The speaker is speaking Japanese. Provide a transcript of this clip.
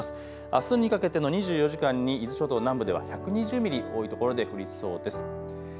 あすにかけての２４時間に伊豆諸島南部では１２０ミリ、多い所で降りそうです。